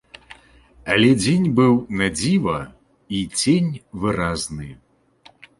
Але дзень быў надзіва, й цень выразны.